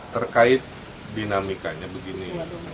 terkait dinamikanya begini